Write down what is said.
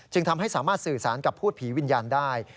ทำให้สามารถสื่อสารกับพูดผีวิญญาณได้